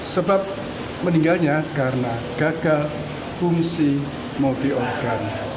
sebab meninggalnya karena gagal fungsi multi organ